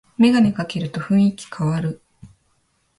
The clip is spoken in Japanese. メガネかけると雰囲気かわる